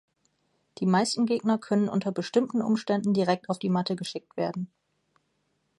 Die meisten Gegner können unter bestimmten Umständen direkt auf die Matte geschickt werden.